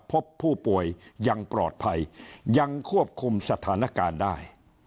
พบผู้ป่วยยังปลอดภัยยังควบคุมสถานการณ์ได้